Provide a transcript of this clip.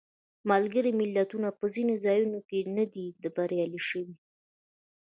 ملګري ملتونه په ځینو ځایونو کې نه دي بریالي شوي.